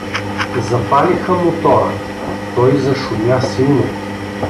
Запалиха мотора, той зашумя силно.